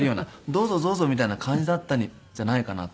どうぞどうぞみたいな感じだったんじゃないかなと。